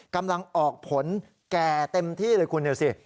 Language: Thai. กำลังออกผลแก่เต็มที่เลยคุณดูสิ